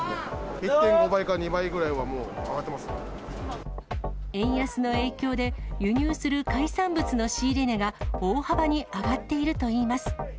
１．５倍から２倍ぐらいは、円安の影響で、輸入する海産物の仕入れ値が、大幅に上がっているといいます。